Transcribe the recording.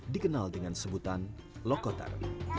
dikenal dengan sebutan lokotar